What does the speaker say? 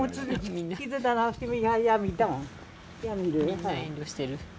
みんな遠慮してる。